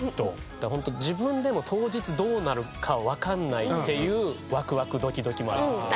だからホント自分でも当日どうなるかわかんないっていうワクワクドキドキもありますよね。